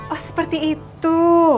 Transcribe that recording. oh seperti itu